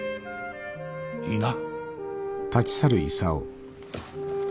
いいな？